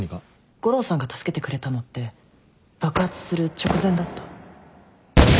悟郎さんが助けてくれたのって爆発する直前だった。